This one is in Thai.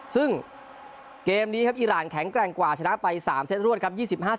ซึ่งเกมนี้ครับอีรานแข็งแกร่งกว่าชนะไป๓เซตรวดครับ